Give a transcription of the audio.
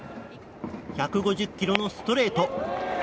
１５０キロのストレート。